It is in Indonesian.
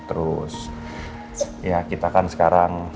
terus ya kita kan sekarang